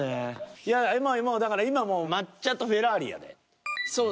いやもうだから今もう「抹茶」と「フェラーリ」やで。